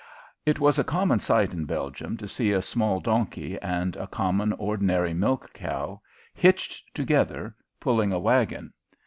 It was a common sight in Belgium to see a small donkey and a common, ordinary milch cow hitched together, pulling a wagon.